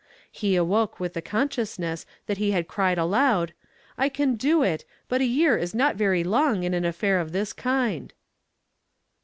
He awoke with the consciousness that he had cried aloud, "I can do it, but a year is not very long in an affair of this kind."